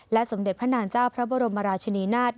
สมเด็จพระนางเจ้าพระบรมราชนีนาฏ